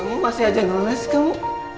kamu masih aja ngeles kamu